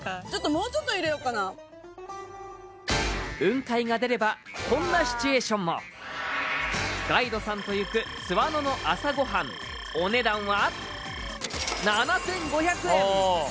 もうちょっと入れようかな雲海が出ればこんなシチュエーションもガイドさんと行く津和野の朝ごはんお値段は？